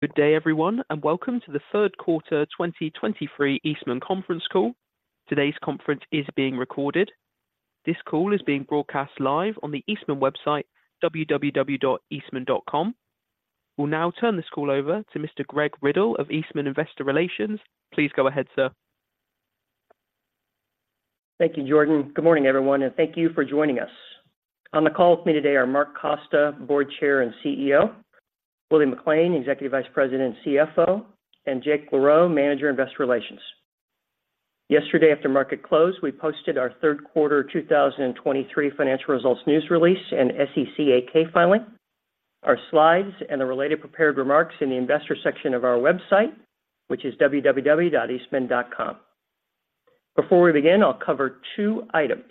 Good day, everyone, and welcome to the third quarter 2023 Eastman Conference Call. Today's conference is being recorded. This call is being broadcast live on the Eastman website, www.eastman.com. We'll now turn this call over to Mr. Greg Riddle of Eastman Investor Relations. Please go ahead, sir. Thank you, Jordan. Good morning, everyone, and thank you for joining us. On the call with me today are Mark Costa, Board Chair and CEO, Willie McLain, Executive Vice President and CFO, and Jake LaRoe, Manager, Investor Relations. Yesterday, after market close, we posted our third quarter 2023 financial results news release and SEC 8-K filing. Our slides and the related prepared remarks in the investor section of our website, which is www.eastman.com. Before we begin, I'll cover two items.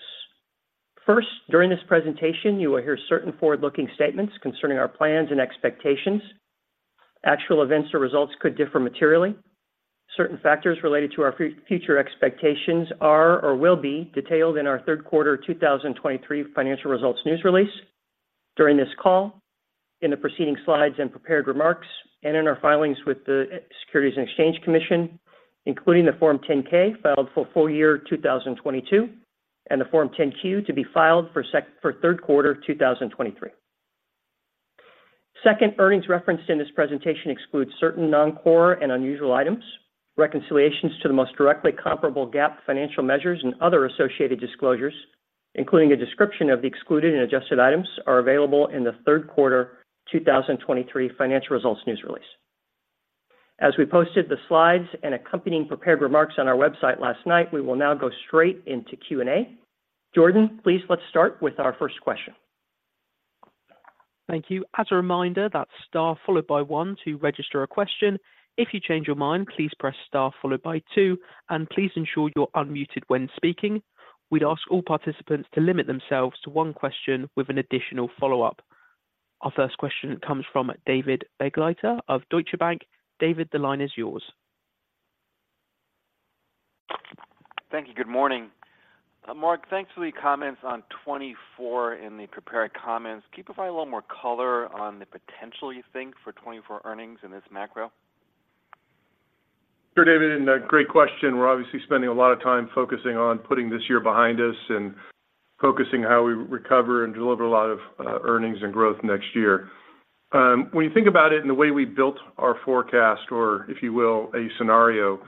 First, during this presentation, you will hear certain forward-looking statements concerning our plans and expectations. Actual events or results could differ materially. Certain factors related to our future expectations are or will be detailed in our third quarter 2023 financial results news release. During this call, in the preceding slides and prepared remarks, and in our filings with the Securities and Exchange Commission, including the Form 10-K, filed for full year 2022, and the Form 10-Q, to be filed for third quarter 2023. Second, earnings referenced in this presentation exclude certain non-core and unusual items. Reconciliations to the most directly comparable GAAP financial measures and other associated disclosures, including a description of the excluded and adjusted items, are available in the third quarter 2023 financial results news release. As we posted the slides and accompanying prepared remarks on our website last night, we will now go straight into Q&A. Jordan, please, let's start with our first question. Thank you. As a reminder, that's Star followed by one to register a question. If you change your mind, please press star followed by two, and please ensure you're unmuted when speaking. We'd ask all participants to limit themselves to one question with an additional follow-up. Our first question comes from David Begleiter of Deutsche Bank. David, the line is yours. Thank you. Good morning. Mark, thanks for the comments on 2024 in the prepared comments. Can you provide a little more color on the potential, you think, for 2024 earnings in this macro? Sure, David, and great question. We're obviously spending a lot of time focusing on putting this year behind us and focusing how we recover and deliver a lot of earnings and growth next year. When you think about it, and the way we built our forecast, or if you will, a scenario,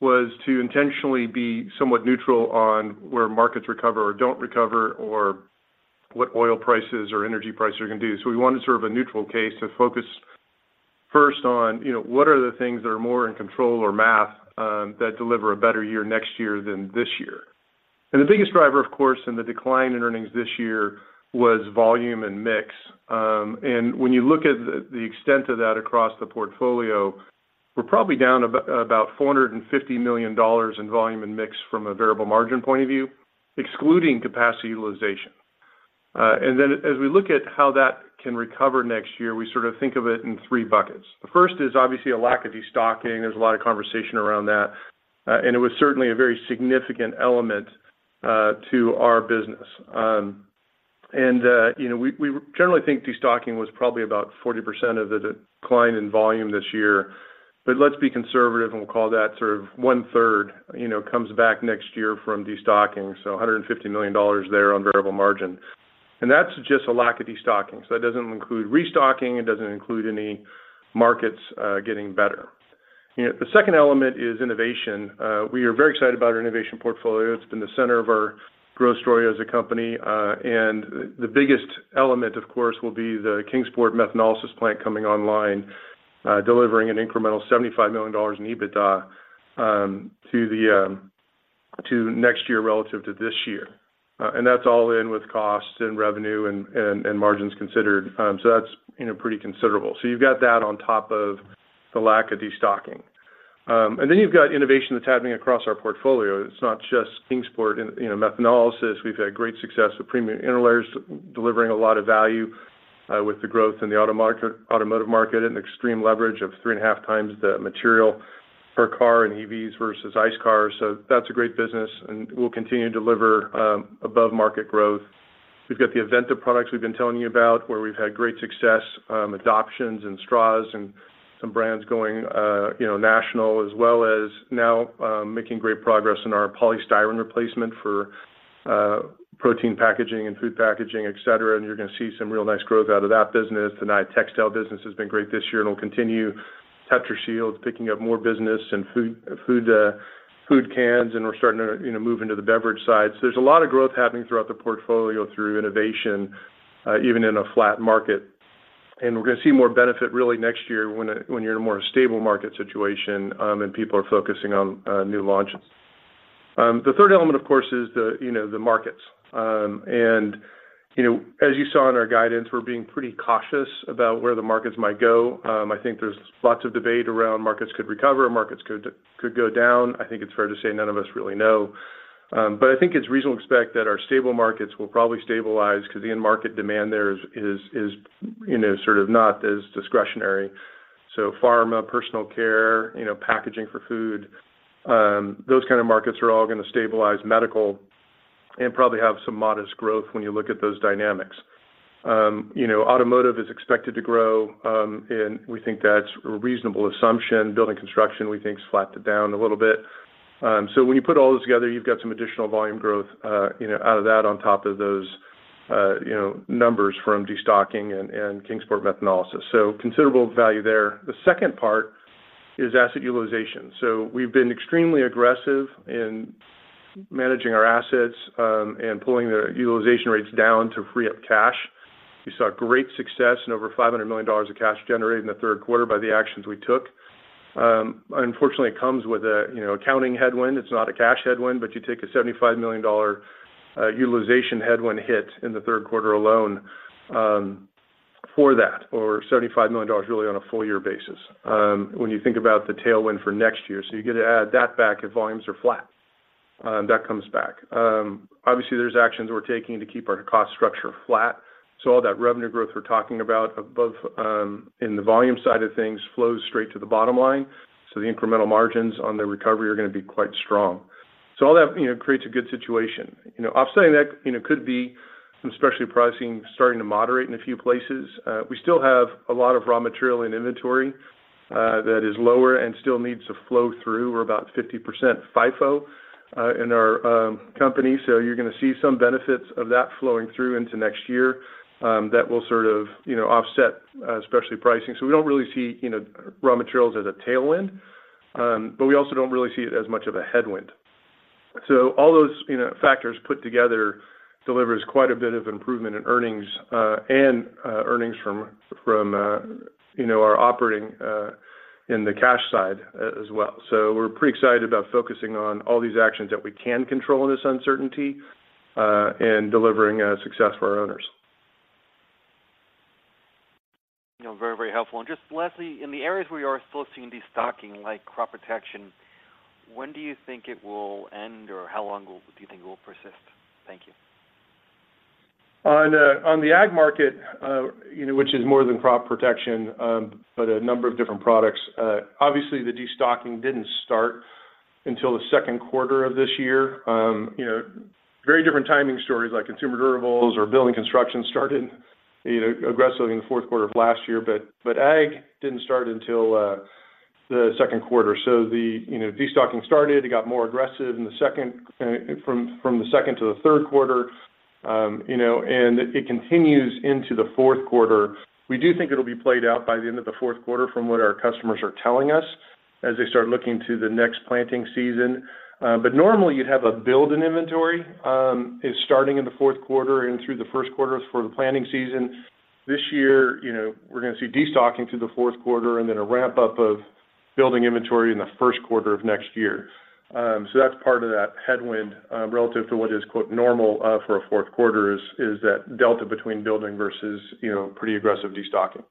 was to intentionally be somewhat neutral on where markets recover or don't recover or what oil prices or energy prices are going to do. So we want to serve a neutral case to focus first on, you know, what are the things that are more in control or math, that deliver a better year next year than this year. And the biggest driver, of course, in the decline in earnings this year was volume and mix. And when you look at the extent of that across the portfolio, we're probably down about $450 million in volume and mix from a variable margin point of view, excluding capacity utilization. And then as we look at how that can recover next year, we sort of think of it in three buckets. The first is obviously a lack of destocking. There's a lot of conversation around that, and it was certainly a very significant element to our business. And, you know, we generally think destocking was probably about 40% of the decline in volume this year, but let's be conservative and we'll call that sort of one-third, you know, comes back next year from destocking. So $150 million there on variable margin. And that's just a lack of destocking. So that doesn't include restocking, it doesn't include any markets getting better. You know, the second element is innovation. We are very excited about our innovation portfolio. It's been the center of our growth story as a company, and the biggest element, of course, will be the Kingsport methanolysis plant coming online, delivering an incremental $75 million in EBITDA to next year relative to this year. And that's all in with costs and revenue and margins considered. So that's, you know, pretty considerable. So you've got that on top of the lack of destocking. And then you've got innovation that's happening across our portfolio. It's not just Kingsport and, you know, methanolysis. We've had great success with premium interlayers, delivering a lot of value with the growth in the automotive market and extreme leverage of 3.5x the material per car in EVs versus ICE cars. That's a great business, and we'll continue to deliver above-market growth. We've got the Aventa products we've been telling you about, where we've had great success, adoptions in straws and some brands going, you know, national, as well as now making great progress in our polystyrene replacement for protein packaging and food packaging, et cetera. You're going to see some real nice growth out of that business. The Naia textile business has been great this year, and it'll continue. Tetrashield's picking up more business in food, food cans, and we're starting to, you know, move into the beverage side. So there's a lot of growth happening throughout the portfolio through innovation, even in a flat market. And we're going to see more benefit really next year when you're in a more stable market situation, and people are focusing on new launches. The third element, of course, is the, you know, the markets. And, you know, as you saw in our guidance, we're being pretty cautious about where the markets might go. I think there's lots of debate around markets could recover, or markets could go down. I think it's fair to say none of us really know. But I think it's reasonable to expect that our stable markets will probably stabilize because the end market demand there is, you know, sort of not as discretionary. So pharma, personal care, you know, packaging for food, those kind of markets are all going to stabilize and probably have some modest growth when you look at those dynamics. You know, automotive is expected to grow, and we think that's a reasonable assumption. Building construction, we think, is flattened down a little bit. So when you put all this together, you've got some additional volume growth, you know, out of that on top of those, you know, numbers from destocking and Kingsport methanol. So considerable value there. The second part is asset utilization. So we've been extremely aggressive in managing our assets, and pulling the utilization rates down to free up cash. We saw great success in over $500 million of cash generated in the third quarter by the actions we took. Unfortunately, it comes with a, you know, accounting headwind. It's not a cash headwind, but you take a $75 million utilization headwind hit in the third quarter alone, for that, or $75 million really on a full year basis, when you think about the tailwind for next year. So you get to add that back if volumes are flat, that comes back. Obviously, there's actions we're taking to keep our cost structure flat. So all that revenue growth we're talking about above, in the volume side of things flows straight to the bottom line. So the incremental margins on the recovery are gonna be quite strong. So all that, you know, creates a good situation. You know, offsetting that, you know, could be some specialty pricing starting to moderate in a few places. We still have a lot of raw material in inventory that is lower and still needs to flow through. We're about 50% FIFO in our company, so you're gonna see some benefits of that flowing through into next year that will sort of, you know, offset especially pricing. So we don't really see, you know, raw materials as a tailwind, but we also don't really see it as much of a headwind. So all those, you know, factors put together delivers quite a bit of improvement in earnings and earnings from our operating in the cash side as well. So we're pretty excited about focusing on all these actions that we can control in this uncertainty and delivering success for our owners. You know, very, very helpful. Just lastly, in the areas where you are still seeing destocking, like crop protection, when do you think it will end, or how long do you think it will persist? Thank you. On the ag market, you know, which is more than crop protection, but a number of different products, obviously, the destocking didn't start until the second quarter of this year. You know, very different timing stories like consumer durables or building construction started, you know, aggressively in the fourth quarter of last year, but ag didn't start until the second quarter. So the, you know, destocking started, it got more aggressive from the second to the third quarter, you know, and it continues into the fourth quarter. We do think it'll be played out by the end of the fourth quarter from what our customers are telling us as they start looking to the next planting season. But normally you'd have a build in inventory is starting in the fourth quarter and through the first quarter for the planting season. This year, you know, we're gonna see destocking through the fourth quarter and then a ramp-up of building inventory in the first quarter of next year. So that's part of that headwind relative to what is, quote, "normal," for a fourth quarter, is that delta between building versus, you know, pretty aggressive destocking.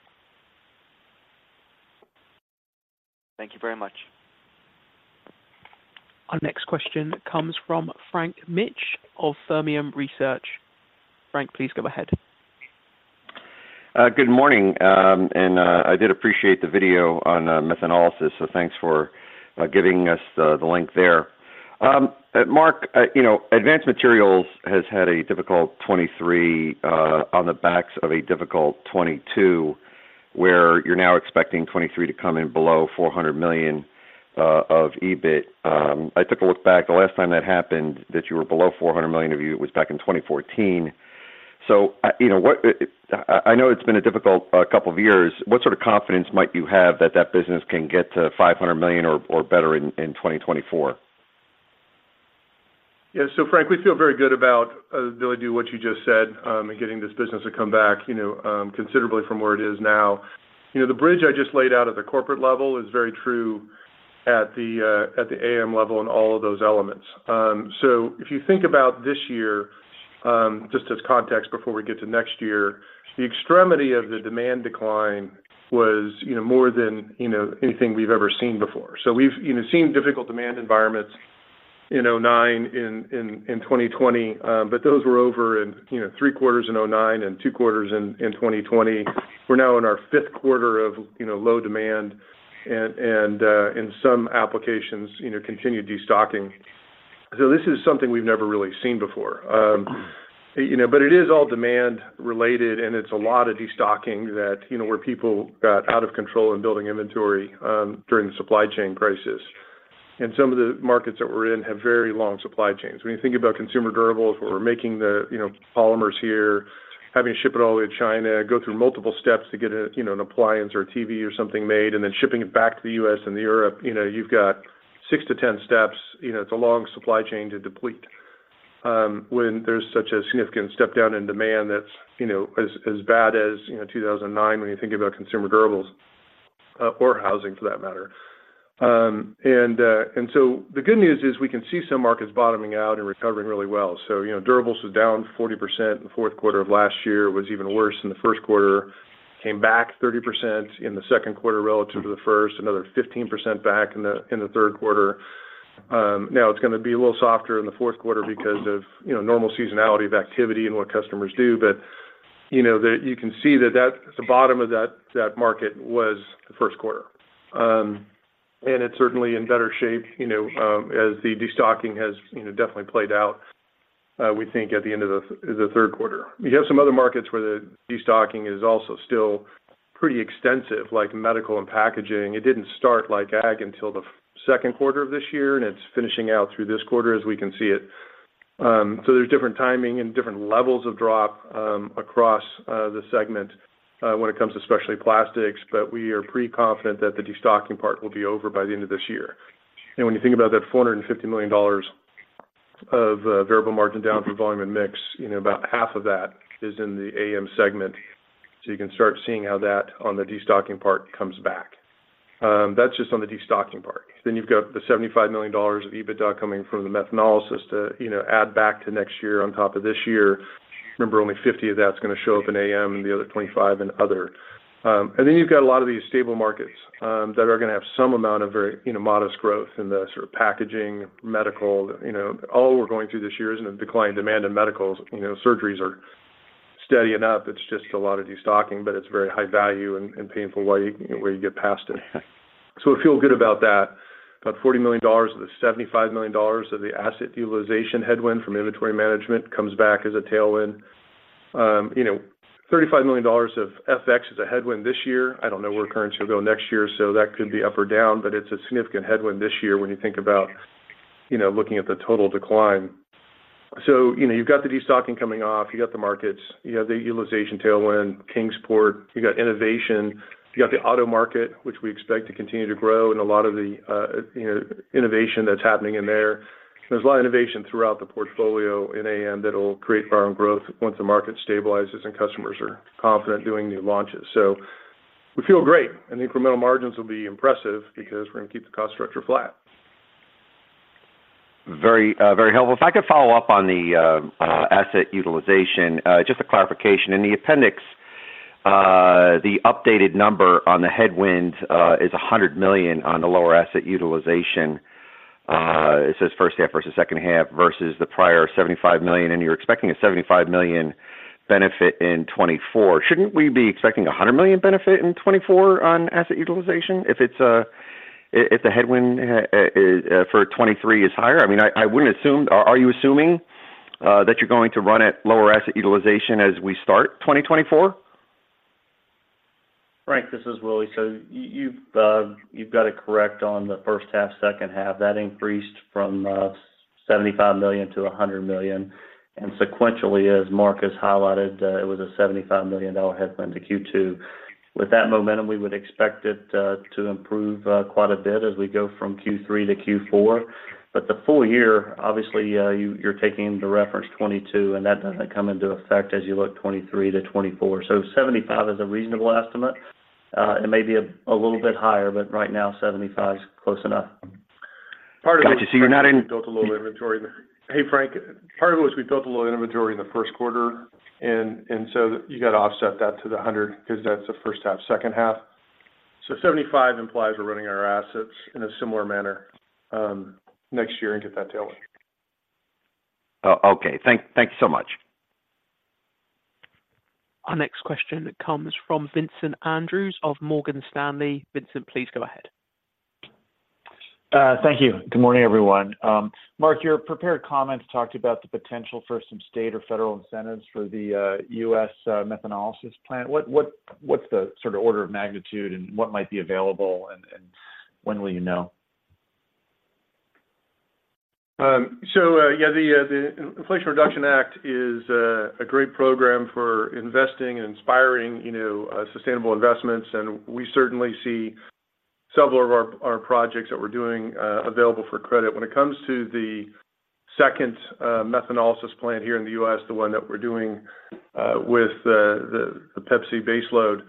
Thank you very much. Our next question comes from Frank Mitsch of Fermium Research. Frank, please go ahead. Good morning, and I did appreciate the video on methanol, so thanks for giving us the link there. Mark, you know, Advanced Materials has had a difficult 2023, on the backs of a difficult 2022, where you're now expecting 2023 to come in below $400 million of EBIT. I took a look back, the last time that happened, that you were below $400 million of EBIT, it was back in 2014. So, you know, I know it's been a difficult couple of years. What sort of confidence might you have that that business can get to $500 million or better in 2024? Yeah. So Frank, we feel very good about really do what you just said, and getting this business to come back, you know, considerably from where it is now. You know, the bridge I just laid out at the corporate level is very true at the at the AM level in all of those elements. So if you think about this year, just as context before we get to next year, the extremity of the demand decline was, you know, more than, you know, anything we've ever seen before. So we've, you know, seen difficult demand environments in 2009, in 2020, but those were over in, you know, three quarters in 2009 and two quarters in 2020. We're now in our fifth quarter of, you know, low demand and, and in some applications, you know, continued destocking. So this is something we've never really seen before. You know, but it is all demand related, and it's a lot of destocking that, you know, where people got out of control in building inventory, during the supply chain crisis. And some of the markets that we're in have very long supply chains. When you think about consumer durables, where we're making the, you know, polymers here, having to ship it all the way to China, go through multiple steps to get a, you know, an appliance or a TV or something made, and then shipping it back to the U.S. and Europe, you know, you've got six to 10 steps. You know, it's a long supply chain to deplete, when there's such a significant step down in demand that's, you know, as, as bad as, you know, 2009, when you think about consumer durables, or housing for that matter. And so the good news is we can see some markets bottoming out and recovering really well. So, you know, durables was down 40% in the fourth quarter of last year, was even worse in the first quarter. Came back 30% in the second quarter relative to the first, another 15% back in the third quarter. Now it's gonna be a little softer in the fourth quarter because of, you know, normal seasonality of activity and what customers do. But, you know, that you can see that the bottom of that market was the first quarter. And it's certainly in better shape, you know, as the destocking has, you know, definitely played out, we think at the end of the third quarter. You have some other markets where the destocking is also still pretty extensive, like medical and packaging. It didn't start like ag until the second quarter of this year, and it's finishing out through this quarter as we can see it. So there's different timing and different levels of drop, across the segment, when it comes to especially plastics, but we are pretty confident that the destocking part will be over by the end of this year. When you think about that $450 million of variable margin down for volume and mix, you know, about half of that is in the AM segment. So you can start seeing how that on the destocking part comes back. That's just on the destocking part. Then you've got the $75 million of EBITDA coming from the methanolysis to, you know, add back to next year on top of this year. Remember, only $50 million of that's gonna show up in AM, and the other $25 million in other. And then you've got a lot of these stable markets that are gonna have some amount of very, you know, modest growth in the sort of packaging, medical. You know, all we're going through this year isn't a decline in demand in medical. You know, surgeries are steady enough. It's just a lot of destocking, but it's very high value and painful way, where you get past it. So we feel good about that. About $40 million of the $75 million of the asset utilization headwind from inventory management comes back as a tailwind. You know, $35 million of FX is a headwind this year. I don't know where currency will go next year, so that could be up or down, but it's a significant headwind this year when you think about, you know, looking at the total decline. So, you know, you've got the destocking coming off, you got the markets, you have the utilization tailwind, Kingsport, you got innovation, you got the auto market, which we expect to continue to grow, and a lot of the, you know, innovation that's happening in there. There's a lot of innovation throughout the portfolio in AM that'll create organic growth once the market stabilizes and customers are confident doing new launches. We feel great, and the incremental margins will be impressive because we're gonna keep the cost structure flat. Very, very helpful. If I could follow up on the asset utilization, just a clarification. In the appendix, the updated number on the headwind is $100 million on the lower asset utilization. It says first half versus second half, versus the prior $75 million, and you're expecting a $75 million benefit in 2024. Shouldn't we be expecting a $100 million benefit in 2024 on asset utilization if it's a, if the headwind for 2023 is higher? I mean, I wouldn't assume-- Are you assuming that you're going to run at lower asset utilization as we start 2024? Frank, this is Willie. So you've got it correct on the first half, second half. That increased from $75 million to $100 million, and sequentially, as Mark has highlighted, it was a $75 million headwind to Q2. With that momentum, we would expect it to improve quite a bit as we go from Q3 to Q4. But the full year, obviously, you're taking into reference 2022, and that doesn't come into effect as you look 2023 to 2024. So $75 million is a reasonable estimate, and maybe a little bit higher, but right now, $75 million is close enough. Part of it- So you're not in- -built a little inventory. Hey, Frank, part of it was we built a little inventory in the first quarter, and so you got to offset that to the $100 million, 'cause that's the first half, second half. So $75 million implies we're running our assets in a similar manner next year and get that tailwind. Okay. Thank you so much. Our next question comes from Vincent Andrews of Morgan Stanley. Vincent, please go ahead. Thank you. Good morning, everyone. Mark, your prepared comments talked about the potential for some state or federal incentives for the U.S. methanolysis plant. What's the sort of order of magnitude, and what might be available, and when will you know? The Inflation Reduction Act is a great program for investing and inspiring, you know, sustainable investments, and we certainly see several of our projects that we're doing available for credit. When it comes to the second methanolysis plant here in the U.S., the one that we're doing with the Pepsi baseload,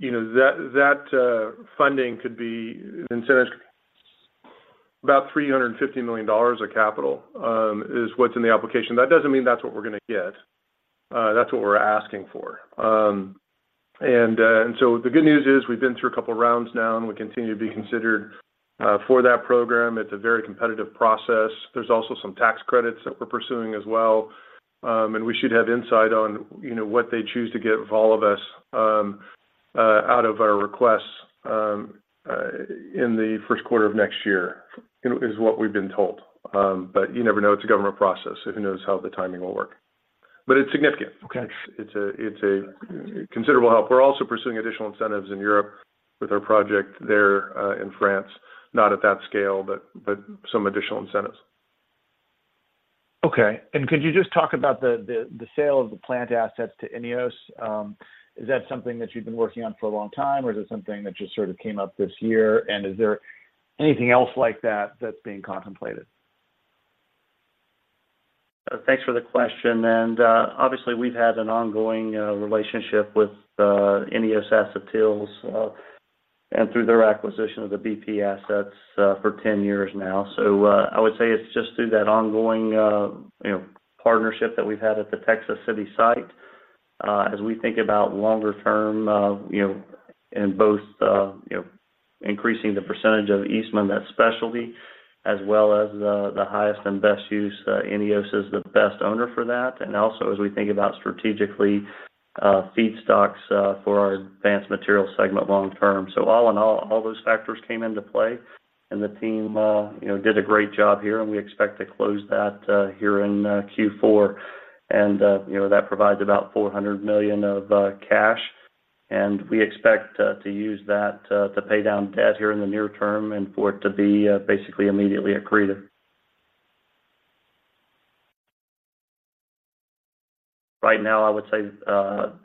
you know, that funding could be... the incentive is about $350 million of capital is what's in the application. That doesn't mean that's what we're gonna get. That's what we're asking for. The good news is, we've been through a couple of rounds now, and we continue to be considered for that program. It's a very competitive process. There's also some tax credits that we're pursuing as well, and we should have insight on, you know, what they choose to give all of us, out of our requests, in the first quarter of next year, you know, is what we've been told. But you never know, it's a government process, so who knows how the timing will work. But it's significant. Okay. It's a considerable help. We're also pursuing additional incentives in Europe with our project there, in France. Not at that scale, but some additional incentives. Okay. And could you just talk about the sale of the plant assets to INEOS? Is that something that you've been working on for a long time, or is it something that just sort of came up this year? And is there anything else like that that's being contemplated? Thanks for the question, and obviously, we've had an ongoing relationship with INEOS Acetyls, and through their acquisition of the BP assets for 10 years now. So I would say it's just through that ongoing you know, partnership that we've had at the Texas City site. As we think about longer term, you know, in both you know increasing the percentage of Eastman, that specialty, as well as the highest and best use, INEOS is the best owner for that. And also, as we think about strategically, feedstocks for our Advanced Materials segment long term. So all in all, all those factors came into play, and the team you know, did a great job here, and we expect to close that here in Q4. You know, that provides about $400 million of cash, and we expect to use that to pay down debt here in the near term and for it to be basically immediately accretive. Right now, I would say,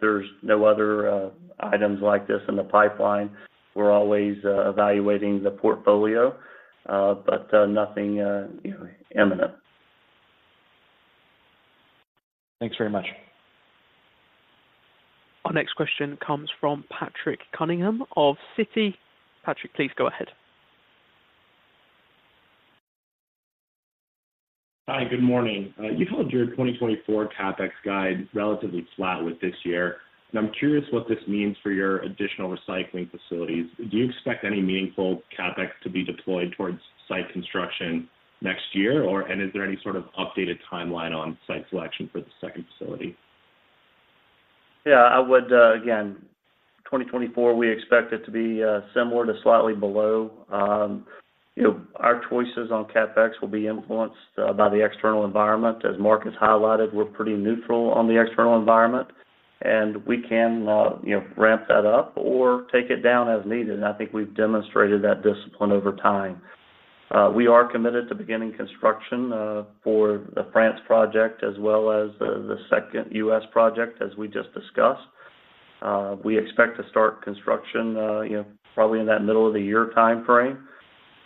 there's no other items like this in the pipeline. We're always evaluating the portfolio, but nothing, you know, imminent. Thanks very much. Our next question comes from Patrick Cunningham of Citi. Patrick, please go ahead. Hi, good morning. You held your 2024 CapEx guide relatively flat with this year, and I'm curious what this means for your additional recycling facilities. Do you expect any meaningful CapEx to be deployed towards site construction next year, or and is there any sort of updated timeline on site selection for the second facility? Yeah, I would, again, 2024, we expect it to be similar to slightly below. You know, our choices on CapEx will be influenced by the external environment. As Mark has highlighted, we're pretty neutral on the external environment, and we can, you know, ramp that up or take it down as needed. And I think we've demonstrated that discipline over time. We are committed to beginning construction for the France project as well as the second U.S. project, as we just discussed. We expect to start construction, you know, probably in that middle-of-the-year time frame.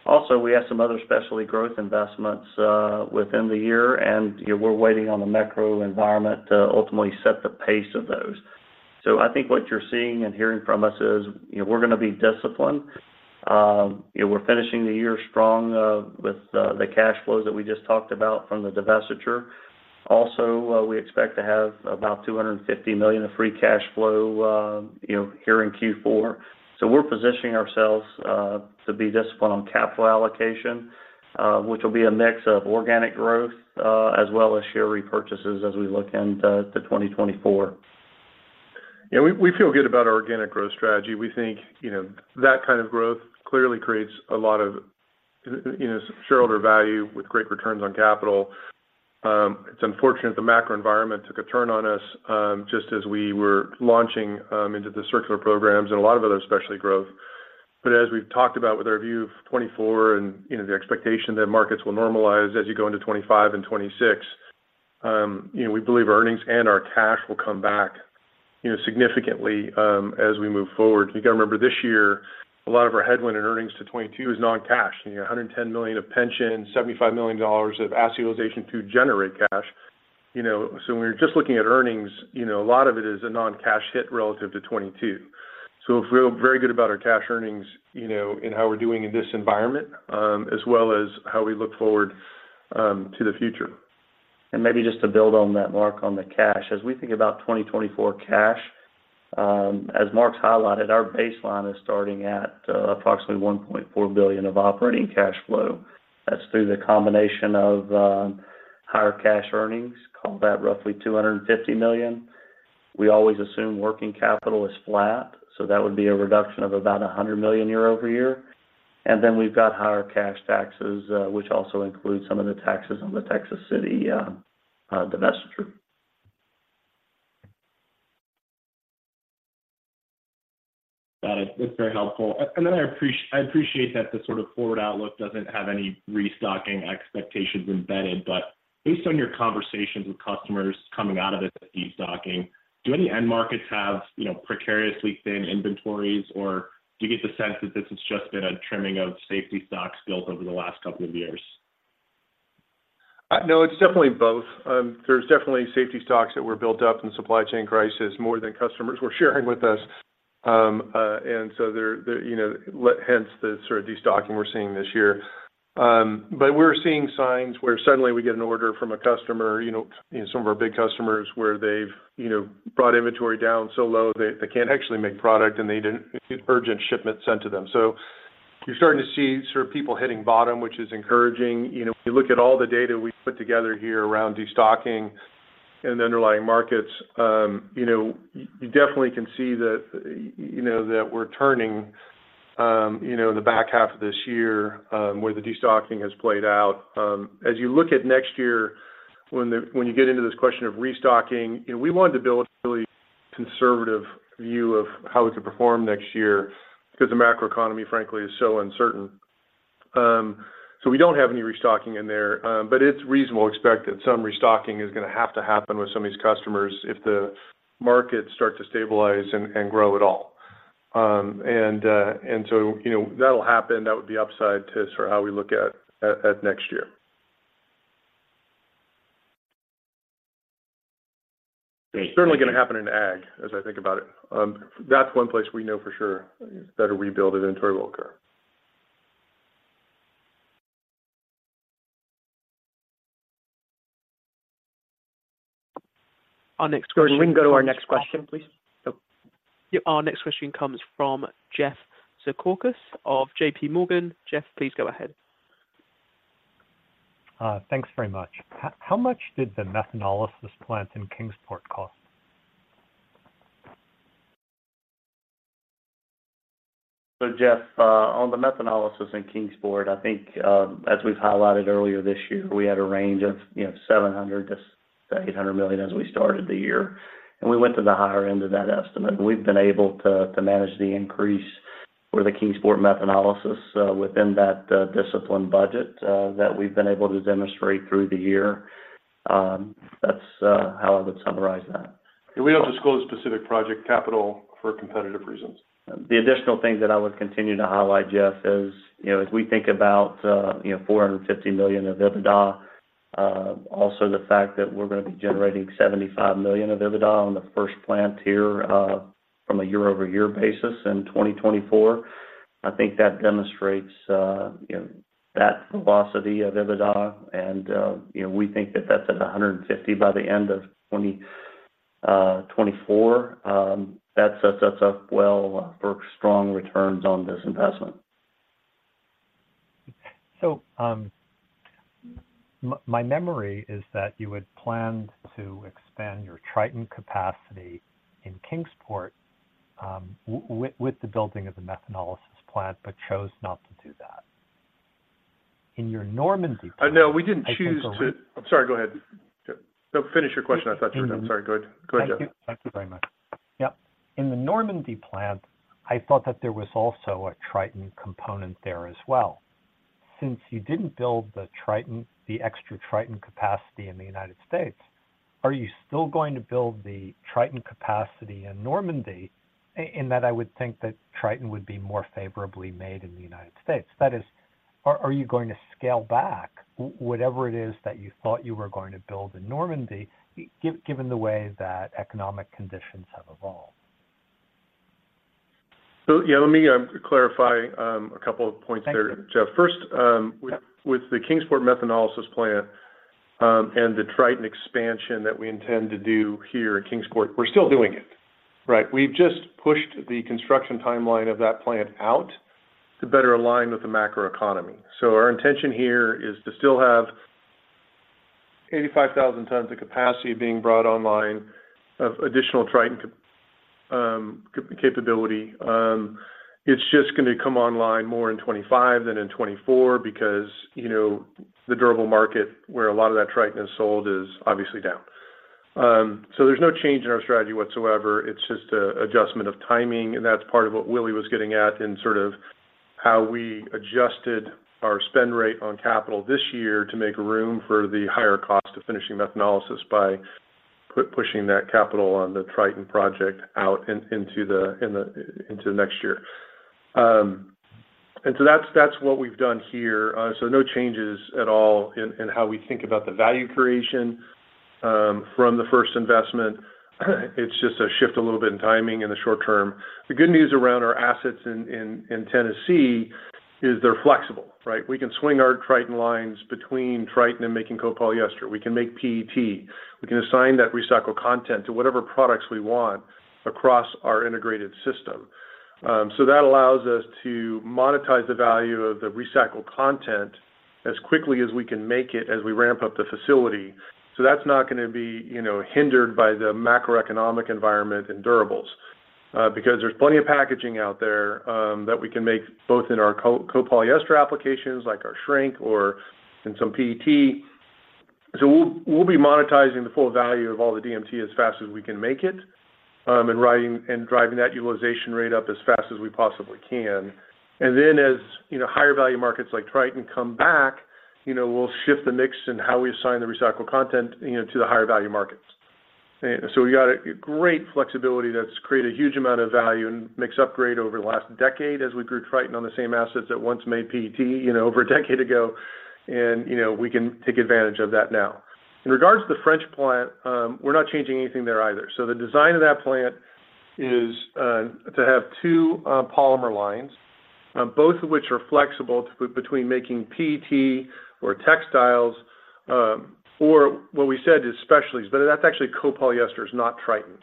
Also, we have some other specialty growth investments within the year, and, you know, we're waiting on the macro environment to ultimately set the pace of those. So I think what you're seeing and hearing from us is, you know, we're gonna be disciplined. You know, we're finishing the year strong, with the cash flows that we just talked about from the divestiture. Also, we expect to have about $250 million of free cash flow, you know, here in Q4. So we're positioning ourselves, to be disciplined on capital allocation, which will be a mix of organic growth, as well as share repurchases as we look into 2024. Yeah, we, we feel good about our organic growth strategy. We think, you know, that kind of growth clearly creates a lot of, you know, shareholder value with great returns on capital. It's unfortunate the macro environment took a turn on us, just as we were launching into the circular programs and a lot of other specialty growth. But as we've talked about with our view of 2024, and, you know, the expectation that markets will normalize as you go into 2025 and 2026, you know, we believe our earnings and our cash will come back, you know, significantly, as we move forward. You got to remember, this year, a lot of our headwind in earnings to 2022 is non-cash. You know, $110 million of pension, $75 million of asset utilization to generate cash. You know, so when you're just looking at earnings, you know, a lot of it is a non-cash hit relative to 2022. So we feel very good about our cash earnings, you know, and how we're doing in this environment, as well as how we look forward to the future. And maybe just to build on that, Mark, on the cash. As we think about 2024 cash, as Mark's highlighted, our baseline is starting at approximately $1.4 billion of operating cash flow. That's through the combination of higher cash earnings, call that roughly $250 million. We always assume working capital is flat, so that would be a reduction of about $100 million year-over-year. And then we've got higher cash taxes, which also includes some of the taxes on the Texas City divestiture. Got it. That's very helpful. And then I appreciate that the sort of forward outlook doesn't have any restocking expectations embedded, but based on your conversations with customers coming out of this destocking, do any end markets have, you know, precariously thin inventories, or do you get the sense that this has just been a trimming of safety stocks built over the last couple of years? No, it's definitely both. There's definitely safety stocks that were built up in the supply chain crisis, more than customers were sharing with us. And so they're, you know, hence, the sort of destocking we're seeing this year. But we're seeing signs where suddenly we get an order from a customer, you know, some of our big customers, where they've, you know, brought inventory down so low they can't actually make product, and they need an urgent shipment sent to them. So you're starting to see sort of people hitting bottom, which is encouraging. You know, if you look at all the data we put together here around destocking and the underlying markets, you know, you definitely can see that, you know, that we're turning, you know, in the back half of this year, where the destocking has played out. As you look at next year, when you get into this question of restocking, you know, we wanted to build a really conservative view of how we could perform next year because the macroeconomy, frankly, is so uncertain. So we don't have any restocking in there, but it's reasonable to expect that some restocking is gonna have to happen with some of these customers if the markets start to stabilize and grow at all. And so, you know, that'll happen. That would be upside to sort of how we look at next year. Thank you. It's certainly gonna happen in ag, as I think about it. That's one place we know for sure that a rebuild of inventory will occur. Our next question. Can we go to our next question, please? Yep. Yeah, our next question comes from Jeff Zekauskas of JPMorgan. Jeff, please go ahead. Thanks very much. How much did the methanolysis plant in Kingsport cost? So, Jeff, on the methanolysis in Kingsport, I think, as we've highlighted earlier this year, we had a range of, you know, $700 million-$800 million as we started the year, and we went to the higher end of that estimate. We've been able to, to manage the increase for the Kingsport methanolysis, within that, disciplined budget, that we've been able to demonstrate through the year. That's how I would summarize that. We don't disclose specific project capital for competitive reasons. The additional thing that I would continue to highlight, Jeff, is, you know, as we think about, you know, $450 million of EBITDA, also the fact that we're going to be generating $75 million of EBITDA on the first plant here, from a year-over-year basis in 2024, I think that demonstrates, you know, that velocity of EBITDA and, you know, we think that that's at $150 million by the end of 2024. That sets us up well for strong returns on this investment. So, my memory is that you had planned to expand your Tritan capacity in Kingsport, with the building of the methanolysis plant, but chose not to do that. In your Normandy- No, we didn't choose to... I'm sorry, go ahead. No, finish your question. I thought you were done. I'm sorry. Go ahead. Go ahead, Jeff. Thank you. Thank you very much. Yep. In the Normandy plant, I thought that there was also a Tritan component there as well. Since you didn't build the Tritan, the extra Tritan capacity in the United States, are you still going to build the Tritan capacity in Normandy? And that I would think that Tritan would be more favorably made in the United States. That is, are you going to scale back whatever it is that you thought you were going to build in Normandy, given the way that economic conditions have evolved? Yeah, let me clarify a couple of points there, Jeff. Thank you. First, with the Kingsport methanolysis plant and the Tritan expansion that we intend to do here at Kingsport, we're still doing it, right? We've just pushed the construction timeline of that plant out to better align with the macroeconomy. So our intention here is to still have 85,000 tons of capacity being brought online of additional Tritan capability. It's just going to come online more in 2025 than in 2024 because, you know, the durable market, where a lot of that Tritan is sold, is obviously down. So there's no change in our strategy whatsoever. It's just an adjustment of timing, and that's part of what Willie was getting at in sort of how we adjusted our spend rate on capital this year to make room for the higher cost of finishing methanolysis by pushing that capital on the Tritan project out into the next year. And so that's what we've done here. So no changes at all in how we think about the value creation from the first investment. It's just a shift a little bit in timing in the short term. The good news around our assets in Tennessee is they're flexible, right? We can swing our Tritan lines between Tritan and making copolyester. We can make PET. We can assign that recycled content to whatever products we want across our integrated system. So that allows us to monetize the value of the recycled content as quickly as we can make it as we ramp up the facility. So that's not going to be, you know, hindered by the macroeconomic environment and durables, because there's plenty of packaging out there that we can make both in our copolyester applications, like our shrink or in some PET. So we'll be monetizing the full value of all the DMT as fast as we can make it, and driving that utilization rate up as fast as we possibly can. And then, as you know, higher value markets like Tritan come back, you know, we'll shift the mix in how we assign the recycled content, you know, to the higher value markets. So we got a great flexibility that's created a huge amount of value and mix upgrade over the last decade as we grew Tritan on the same assets that once made PET, you know, over a decade ago, and, you know, we can take advantage of that now. In regards to the French plant, we're not changing anything there either. The design of that plant is to have two polymer lines, both of which are flexible to put between making PET or textiles, or what we said is specialties, but that's actually copolyester, it's not Tritan.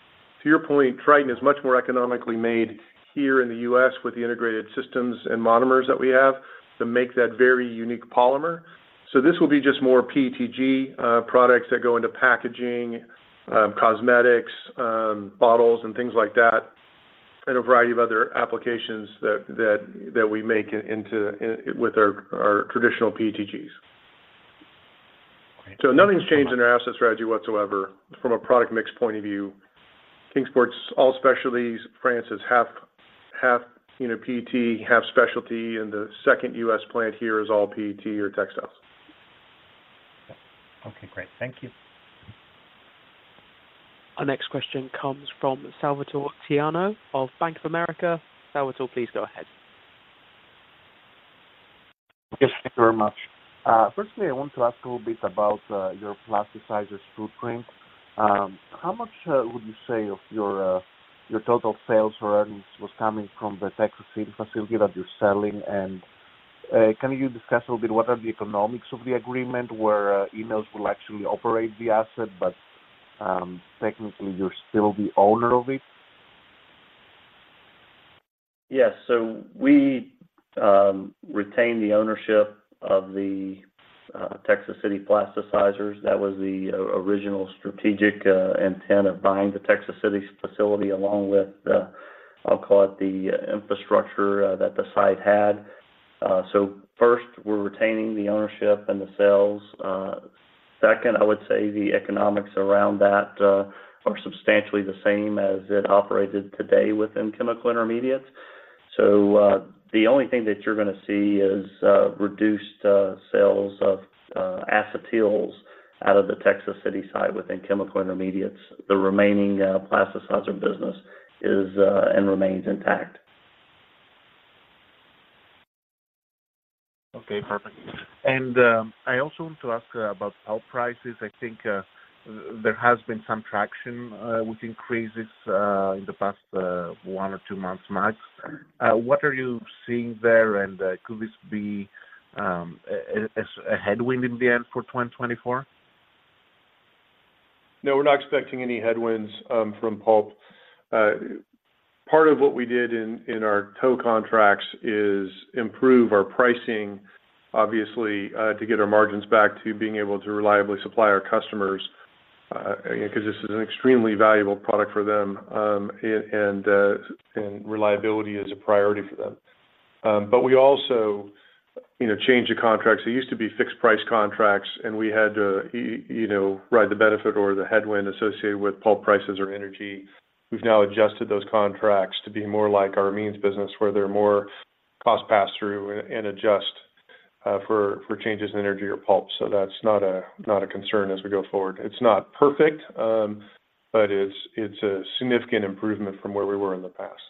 To your point, Tritan is much more economically made here in the U.S. with the integrated systems and monomers that we have to make that very unique polymer. So this will be just more PETG products that go into packaging, cosmetics, bottles and things like that, and a variety of other applications that we make into with our traditional PETGs. Great. Nothing's changed in our asset strategy whatsoever from a product mix point of view. Kingsport's all specialties, France is half, half, you know, PET, half specialty, and the second U.S. plant here is all PET or textiles. Okay, great. Thank you. Our next question comes from Salvator Tiano of Bank of America. Salvatore, please go ahead. Yes, thank you very much. Firstly, I want to ask a little bit about your plasticizers footprint. How much would you say of your total sales earnings was coming from the Texas facility that you're selling, and can you discuss a little bit what are the economics of the agreement, where INEOS will actually operate the asset, but technically, you're still the owner of it? Yes. So we retain the ownership of the Texas City plasticizers. That was the original strategic intent of buying the Texas City facility, along with the, I'll call it, the infrastructure that the site had. So first, we're retaining the ownership and the sales. Second, I would say the economics around that are substantially the same as it operated today within Chemical Intermediates. So the only thing that you're gonna see is reduced sales of acetyls out of the Texas City site within Chemical Intermediates. The remaining plasticizer business is and remains intact. Okay, perfect. I also want to ask about pulp prices. I think, there has been some traction with increases in the past one or two months max. What are you seeing there, and could this be a headwind in the end for 2024? No, we're not expecting any headwinds from pulp. Part of what we did in our tow contracts is improve our pricing, obviously, to get our margins back to being able to reliably supply our customers, because this is an extremely valuable product for them, and reliability is a priority for them. But we also, you know, changed the contracts. It used to be fixed price contracts, and we had to, you know, ride the benefit or the headwind associated with pulp prices or energy. We've now adjusted those contracts to be more like our amines business, where they're more cost pass-through and adjust for changes in energy or pulp. So that's not a concern as we go forward. It's not perfect, but it's a significant improvement from where we were in the past.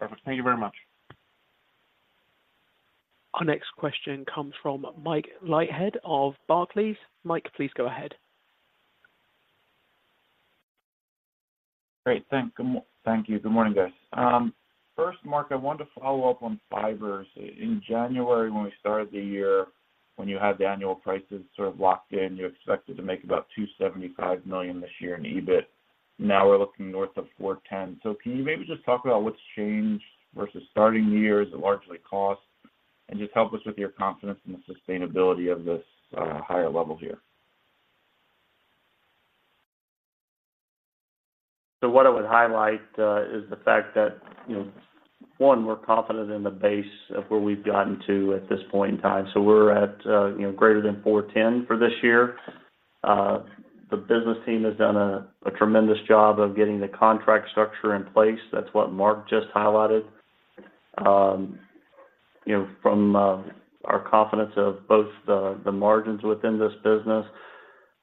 Perfect. Thank you very much. Our next question comes from Mike Leithead of Barclays. Mike, please go ahead. Thank you. Good morning, guys. First, Mark, I wanted to follow up on Fibers. In January, when we started the year, when you had the annual prices sort of locked in, you expected to make about $275 million this year in EBIT. Now we're looking north of $410 million. So can you maybe just talk about what's changed versus starting the year? Is it largely cost? And just help us with your confidence in the sustainability of this higher level here. So what I would highlight is the fact that, you know, one, we're confident in the base of where we've gotten to at this point in time. So we're at, you know, greater than $410 million for this year. The business team has done a tremendous job of getting the contract structure in place. That's what Mark just highlighted. You know, from our confidence of both the margins within this business,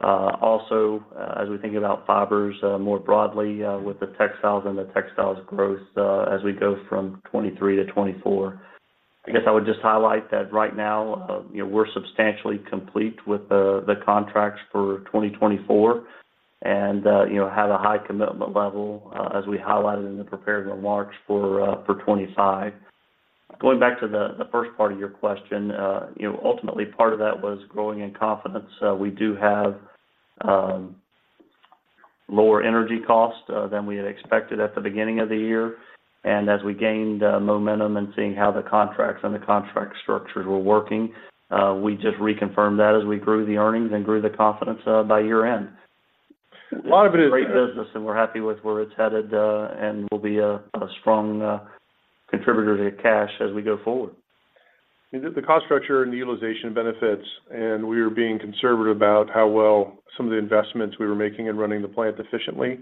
also, as we think about Fibers more broadly, with the textiles and the textiles growth, as we go from 2023 to 2024. I guess I would just highlight that right now, you know, we're substantially complete with the contracts for 2024 and, you know, have a high commitment level, as we highlighted in the prepared remarks for 2025. Going back to the first part of your question, you know, ultimately part of that was growing in confidence. We do have lower energy costs than we had expected at the beginning of the year, and as we gained momentum and seeing how the contracts and the contract structures were working, we just reconfirmed that as we grew the earnings and grew the confidence by year-end. A lot of it is- Great business, and we're happy with where it's headed, and will be a strong contributor to cash as we go forward. The cost structure and utilization benefits, and we are being conservative about how well some of the investments we were making in running the plant efficiently,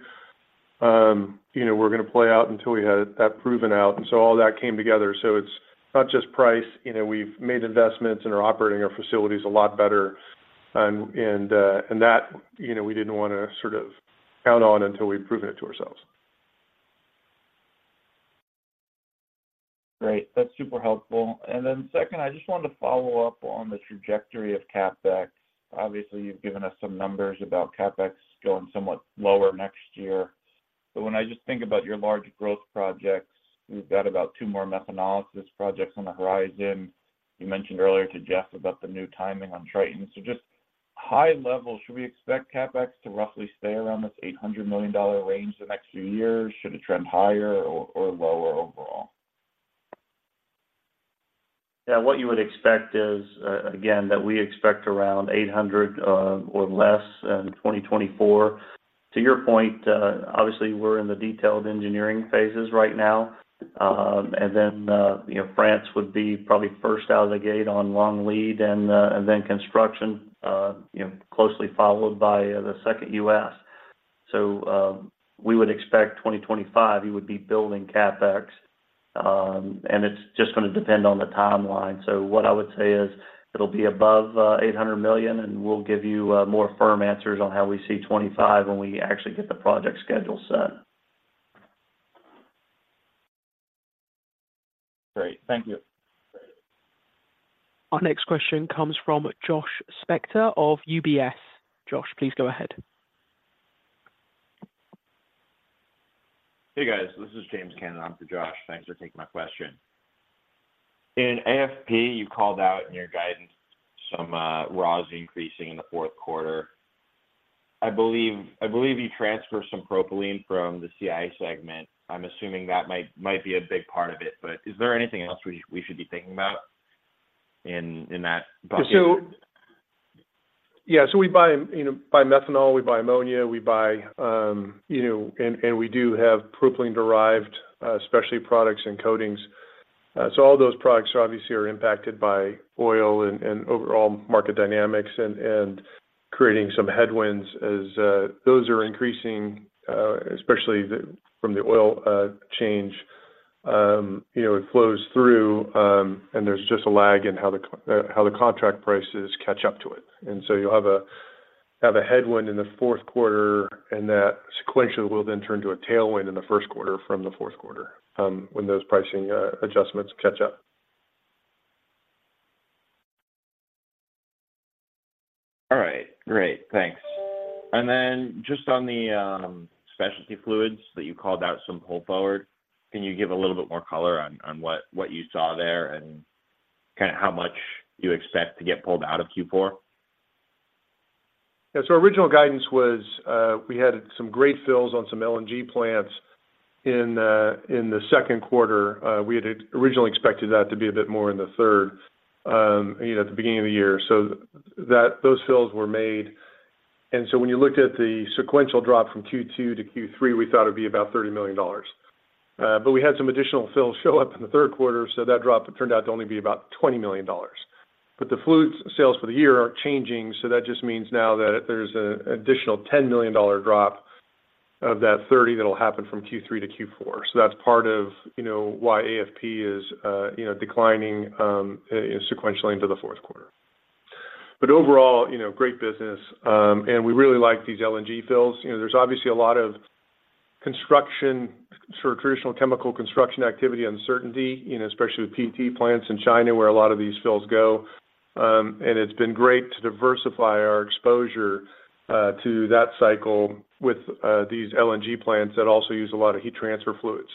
you know, we're going to play out until we had that proven out, and so all that came together. So it's not just price. You know, we've made investments and are operating our facilities a lot better. That, you know, we didn't want to sort of count on until we proven it to ourselves. Great. That's super helpful. And then second, I just wanted to follow up on the trajectory of CapEx. Obviously, you've given us some numbers about CapEx going somewhat lower next year, but when I just think about your large growth projects, you've got about two more methanolysis projects on the horizon. You mentioned earlier to Jeff about the new timing on Tritan. So just high level, should we expect CapEx to roughly stay around this $800 million range the next few years? Should it trend higher or lower overall? Yeah, what you would expect is, again, that we expect around $800 million, or less in 2024. To your point, obviously, we're in the detailed engineering phases right now. And then, you know, France would be probably first out of the gate on long lead and, and then construction, you know, closely followed by, the second U.S. So, we would expect 2025, you would be building CapEx, and it's just gonna depend on the timeline. So what I would say is it'll be above, $800 million, and we'll give you, more firm answers on how we see 2025 when we actually get the project schedule set. Great. Thank you. Our next question comes from Josh Spector of UBS. Josh, please go ahead. Hey, guys, this is James Cannon. I'm for Josh. Thanks for taking my question. In AFP, you called out in your guidance some raws increasing in the fourth quarter. I believe you transferred some propylene from the CI segment. I'm assuming that might be a big part of it, but is there anything else we should be thinking about in that bucket? Yeah, so we buy, you know, buy methanol, we buy ammonia, we buy, you know, and we do have propylene-derived specialty products and coatings. So all those products are obviously impacted by oil and overall market dynamics and creating some headwinds as those are increasing, especially from the oil change. You know, it flows through, and there's just a lag in how the contract prices catch up to it. And so you'll have a headwind in the fourth quarter, and that sequentially will then turn to a tailwind in the first quarter from the fourth quarter, when those pricing adjustments catch up. All right. Great, thanks. And then just on the specialty fluids that you called out some pull forward, can you give a little bit more color on what you saw there and kinda how much you expect to get pulled out of Q4? Yeah. So original guidance was, we had some great fills on some LNG plants in the, in the second quarter. We had originally expected that to be a bit more in the third, you know, at the beginning of the year. So that—those fills were made. And so when you looked at the sequential drop from Q2 to Q3, we thought it'd be about $30 million. But we had some additional fills show up in the third quarter, so that drop turned out to only be about $20 million. But the fluids sales for the year aren't changing, so that just means now that there's an additional $10 million drop of that $30 million that'll happen from Q3 to Q4. So that's part of, you know, why AFP is, you know, declining, sequentially into the fourth quarter. But overall, you know, great business. And we really like these LNG fills. You know, there's obviously a lot of construction... sort of traditional chemical construction activity, uncertainty, you know, especially with PET plants in China, where a lot of these fills go. And it's been great to diversify our exposure to that cycle with these LNG plants that also use a lot of heat transfer fluids.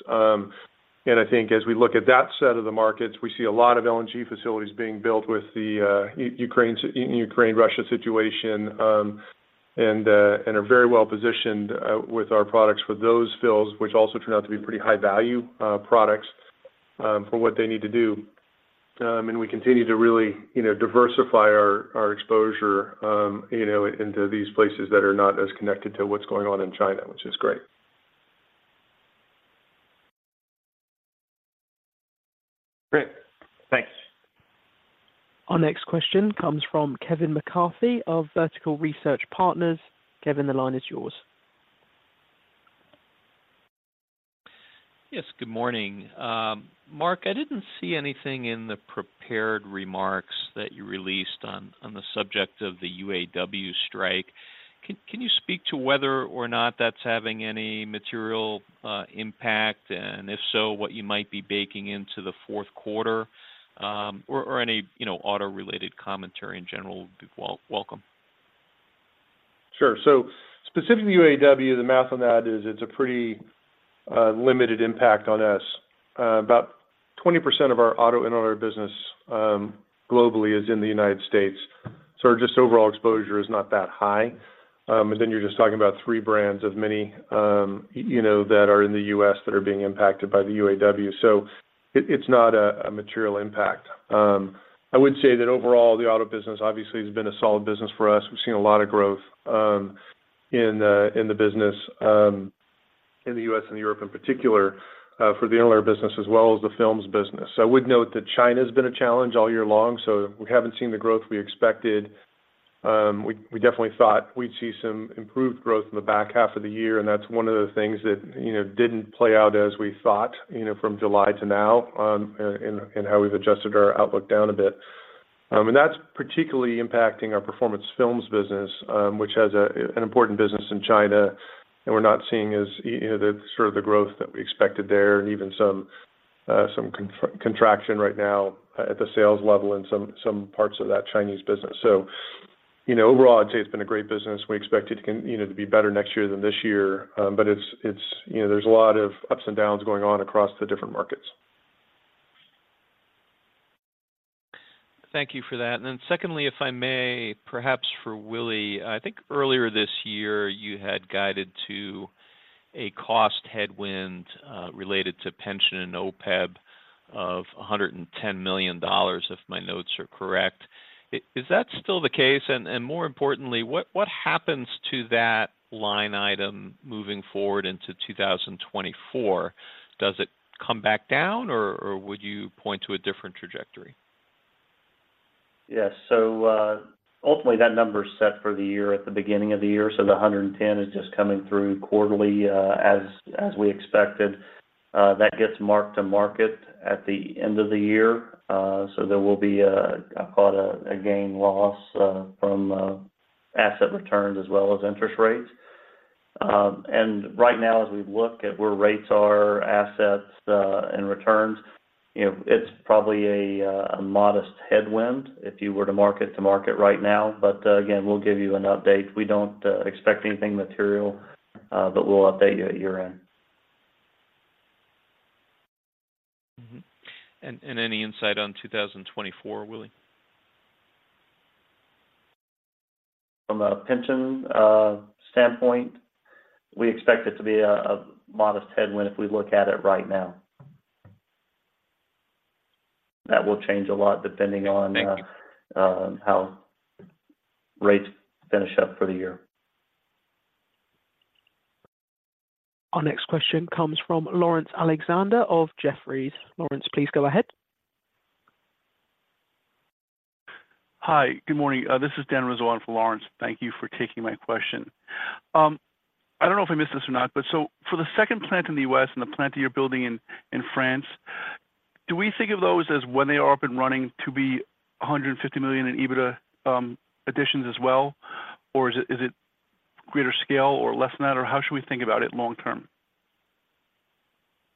And I think as we look at that set of the markets, we see a lot of LNG facilities being built with the Ukraine-Russia situation, and are very well positioned with our products for those fills, which also turn out to be pretty high value products for what they need to do. We continue to really, you know, diversify our exposure, you know, into these places that are not as connected to what's going on in China, which is great. Great. Thanks. Our next question comes from Kevin McCarthy of Vertical Research Partners. Kevin, the line is yours. Yes, good morning. Mark, I didn't see anything in the prepared remarks that you released on the subject of the UAW strike. Can you speak to whether or not that's having any material impact? And if so, what you might be baking into the fourth quarter, or any, you know, auto-related commentary in general would be welcome. Sure. So specifically, UAW, the math on that is it's a pretty limited impact on us. About 20% of our auto and interlayer business globally is in the United States. So just overall exposure is not that high. And then you're just talking about three brands of many, you know, that are in the US that are being impacted by the UAW. So it's not a material impact. I would say that overall, the auto business obviously has been a solid business for us. We've seen a lot of growth in the business in the US and Europe in particular for the interlayer business as well as the films business. I would note that China has been a challenge all year long, so we haven't seen the growth we expected. We definitely thought we'd see some improved growth in the back half of the year, and that's one of the things that, you know, didn't play out as we thought, you know, from July to now, and how we've adjusted our outlook down a bit. And that's particularly impacting our Performance Films business, which has an important business in China, and we're not seeing as, you know, the sort of the growth that we expected there, and even some contraction right now at the sales level in some parts of that Chinese business. So, you know, overall, I'd say it's been a great business. We expect it, you know, to be better next year than this year. But it's, you know, there's a lot of ups and downs going on across the different markets. Thank you for that. And then secondly, if I may, perhaps for Willie, I think earlier this year, you had guided to a cost headwind related to pension and OPEB of $110 million, if my notes are correct. Is that still the case? And more importantly, what happens to that line item moving forward into 2024? Does it come back down, or would you point to a different trajectory? Yes. So, ultimately, that number is set for the year at the beginning of the year. So the $110 million is just coming through quarterly, as we expected. That gets marked to market at the end of the year, so there will be a, call it a gain loss from asset returns as well as interest rates. And right now, as we look at where rates are, assets and returns. It's probably a modest headwind if you were to mark-to-market right now. But, again, we'll give you an update. We don't expect anything material, but we'll update you at year-end. Mm-hmm. And any insight on 2024, Willie? From a pension standpoint, we expect it to be a modest headwind if we look at it right now. That will change a lot depending on how rates finish up for the year. Our next question comes from Laurence Alexander of Jefferies. Laurence, please go ahead. Hi, good morning. This is Dan Rizzo on for Laurence. Thank you for taking my question. I don't know if I missed this or not, but so for the second plant in the U.S. and the plant that you're building in France, do we think of those as when they are up and running to be $150 million in EBITDA additions as well? Or is it greater scale or less than that, or how should we think about it long term?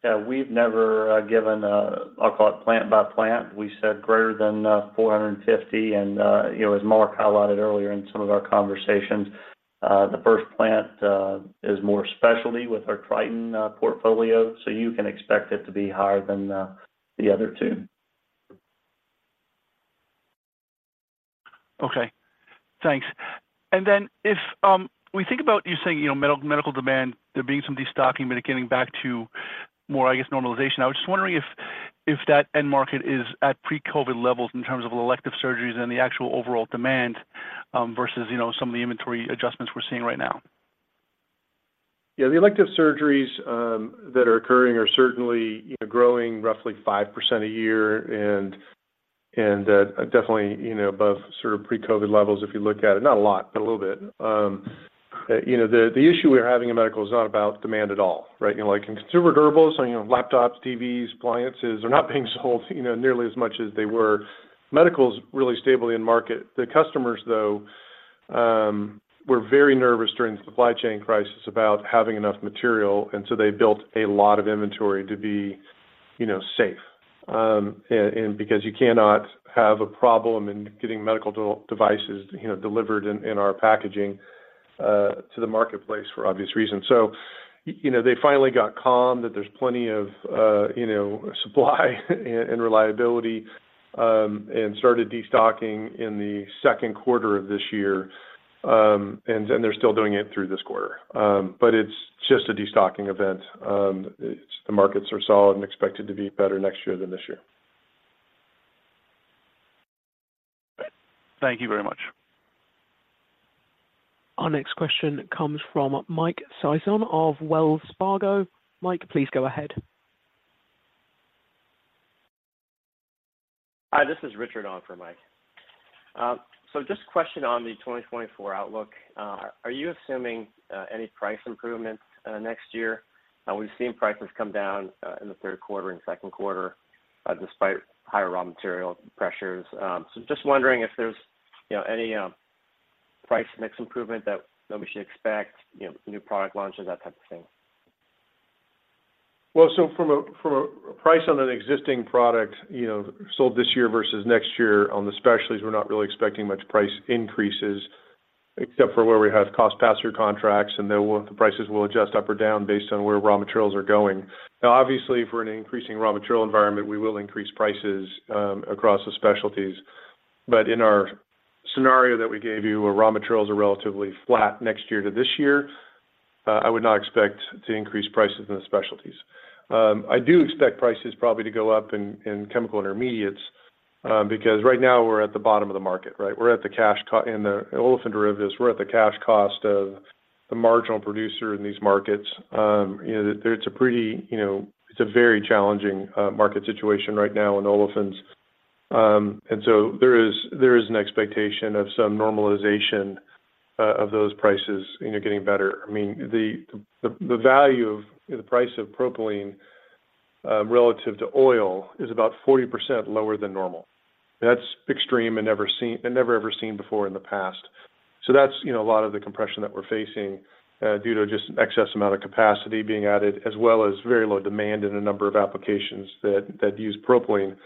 Yeah, we've never given a, I'll call it plant by plant. We said greater than $450 million, and you know, as Mark highlighted earlier in some of our conversations, the first plant is more specialty with our Tritan portfolio, so you can expect it to be higher than the other two. Okay. Thanks. And then if we think about you saying, you know, medical, medical demand, there being some destocking, but getting back to more, I guess, normalization. I was just wondering if that end market is at pre-COVID levels in terms of elective surgeries and the actual overall demand versus, you know, some of the inventory adjustments we're seeing right now? Yeah, the elective surgeries that are occurring are certainly, you know, growing roughly 5% a year, and definitely, you know, above sort of pre-COVID levels, if you look at it. Not a lot, but a little bit. You know, the issue we're having in medical is not about demand at all, right? You know, like in consumer durables, so you know, laptops, TVs, appliances are not being sold, you know, nearly as much as they were. Medical is really stable in market. The customers, though, were very nervous during the supply chain crisis about having enough material, and so they built a lot of inventory to be, you know, safe. And because you cannot have a problem in getting medical devices, you know, delivered in our packaging to the marketplace for obvious reasons. So, you know, they finally got calm, that there's plenty of, you know, supply and reliability, and started destocking in the second quarter of this year. And then they're still doing it through this quarter. But it's just a destocking event. The markets are solid and expected to be better next year than this year. Thank you very much. Our next question comes from Mike Sison of Wells Fargo. Mike, please go ahead. Hi, this is Richard on for Mike. So just a question on the 2024 outlook. Are you assuming any price improvements next year? We've seen prices come down in the third quarter and second quarter despite higher raw material pressures. So just wondering if there's, you know, any price mix improvement that we should expect, you know, new product launches, that type of thing. Well, so from a price on an existing product, you know, sold this year versus next year, on the specialties, we're not really expecting much price increases, except for where we have cost pass-through contracts, and then we'll, the prices will adjust up or down based on where raw materials are going. Now, obviously, for an increasing raw material environment, we will increase prices across the specialties. But in our scenario that we gave you, where raw materials are relatively flat next year to this year, I would not expect to increase prices in the specialties. I do expect prices probably to go up in Chemical Intermediates, because right now we're at the bottom of the market, right? We're at the cash cost in the olefins derivatives, we're at the cash cost of the marginal producer in these markets. You know, it's a pretty, you know, it's a very challenging market situation right now in olefins. And so there is, there is an expectation of some normalization of those prices, you know, getting better. I mean, the value of the price of propylene relative to oil is about 40% lower than normal. That's extreme and never, ever seen before in the past. So that's, you know, a lot of the compression that we're facing due to just excess amount of capacity being added, as well as very low demand in a number of applications that use propylene.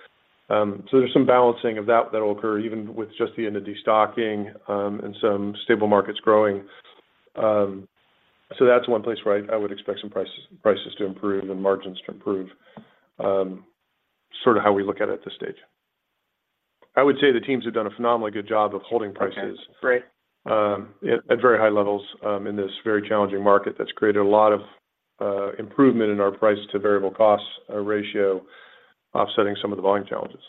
So there's some balancing of that that will occur even with just the end of destocking and some stable markets growing. So that's one place where I would expect some prices to improve and margins to improve. Sort of how we look at it at this stage. I would say the teams have done a phenomenally good job of holding prices- Okay, great. At very high levels, in this very challenging market. That's created a lot of improvement in our price to variable costs ratio, offsetting some of the volume challenges.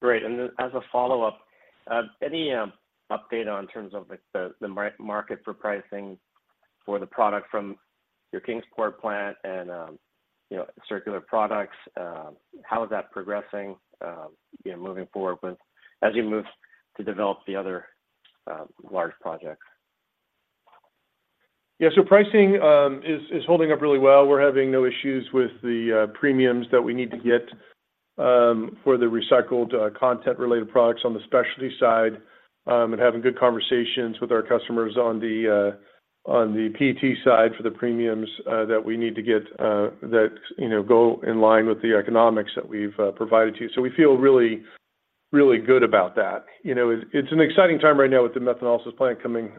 Great. And then as a follow-up, any update on terms of, like, the market for pricing for the product from your Kingsport plant and, you know, circular products? How is that progressing, you know, moving forward with—as you move to develop the other large projects? Yeah, so pricing is holding up really well. We're having no issues with the premiums that we need to get for the recycled content related products on the specialty side, and having good conversations with our customers on the PET side for the premiums that we need to get that, you know, go in line with the economics that we've provided to you. So we feel really, really good about that. You know, it's an exciting time right now with the methanolysis plant coming,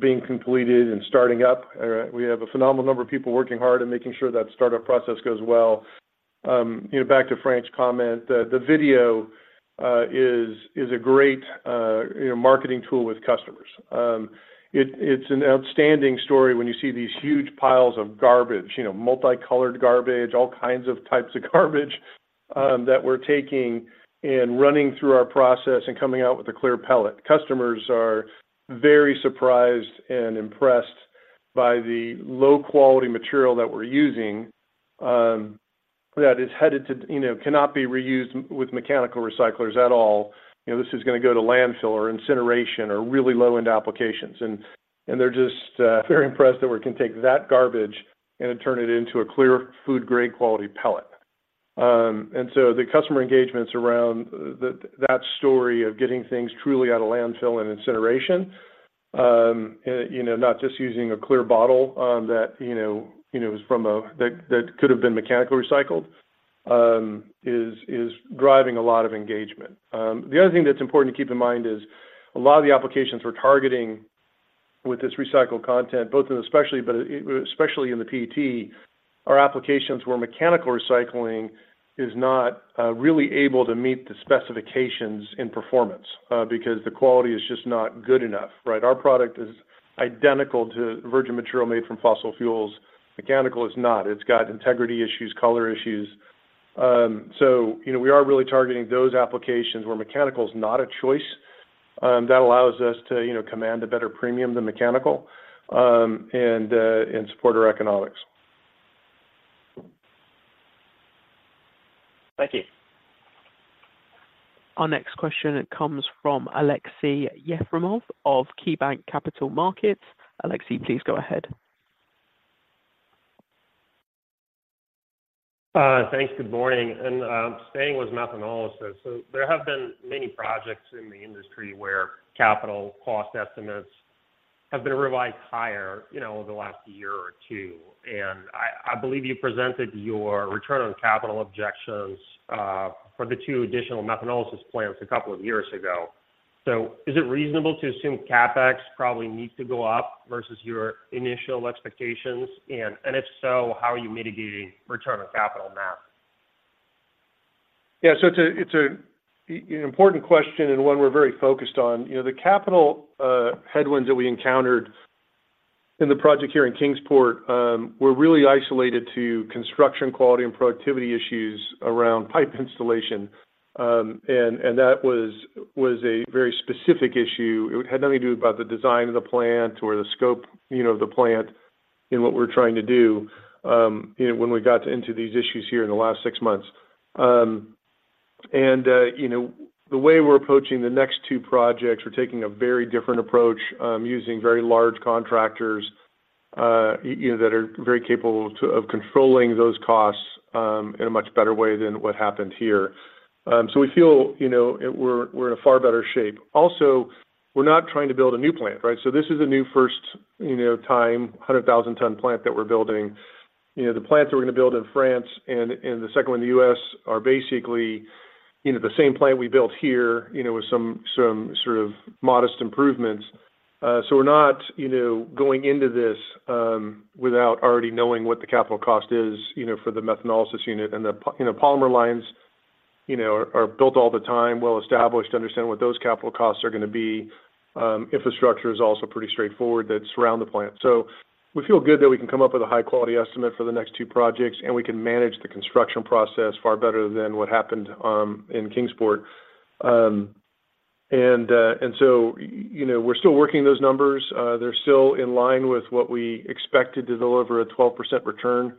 being completed and starting up. We have a phenomenal number of people working hard and making sure that startup process goes well. You know, back to Frank's comment, the video is a great, you know, marketing tool with customers. It's an outstanding story when you see these huge piles of garbage, you know, multicolored garbage, all kinds of types of garbage, that we're taking and running through our process and coming out with a clear pellet. Customers are very surprised and impressed by the low-quality material that we're using, that is headed to, you know, cannot be reused with mechanical recyclers at all. You know, this is gonna go to landfill or incineration or really low-end applications. And they're just very impressed that we can take that garbage and turn it into a clear food-grade quality pellet. The customer engagements around that story of getting things truly out of landfill and incineration, you know, not just using a clear bottle, you know, that could have been mechanically recycled, is driving a lot of engagement. The other thing that's important to keep in mind is a lot of the applications we're targeting with this recycled content, but especially in the PET, are applications where mechanical recycling is not really able to meet the specifications in performance, because the quality is just not good enough, right? Our product is identical to virgin material made from fossil fuels. Mechanical is not. It's got integrity issues, color issues. You know, we are really targeting those applications where mechanical is not a choice. That allows us to, you know, command a better premium than mechanical, and support our economics. Thank you. Our next question comes from Aleksey Yefremov of KeyBanc Capital Markets. Aleksey, please go ahead. Thanks. Good morning, and staying with methanolysis: so there have been many projects in the industry where capital cost estimates have been revised higher, you know, over the last year or two, and I believe you presented your return on capital objectives for the two additional methanolysis plants a couple of years ago. So is it reasonable to assume CapEx probably needs to go up versus your initial expectations? And if so, how are you mitigating return on capital on that? Yeah, so it's an important question and one we're very focused on. You know, the capital headwinds that we encountered in the project here in Kingsport were really isolated to construction, quality, and productivity issues around pipe installation. And that was a very specific issue. It had nothing to do about the design of the plant or the scope, you know, of the plant in what we're trying to do, you know, when we got into these issues here in the last six months. And you know, the way we're approaching the next two projects, we're taking a very different approach, using very large contractors, you know, that are very capable of controlling those costs in a much better way than what happened here. So we feel, you know, we're in a far better shape. Also, we're not trying to build a new plant, right? So this is a new first, you know, time, 100,000-ton plant that we're building. You know, the plants that we're gonna build in France and the second one in the U.S. are basically, you know, the same plant we built here, you know, with some sort of modest improvements. So we're not, you know, going into this without already knowing what the capital cost is, you know, for the methanolysis unit. And the polymer lines, you know, are built all the time, well established, understand what those capital costs are gonna be. Infrastructure is also pretty straightforward that surround the plant. So we feel good that we can come up with a high-quality estimate for the next two projects, and we can manage the construction process far better than what happened in Kingsport. You know, we're still working those numbers. They're still in line with what we expect to deliver a 12% return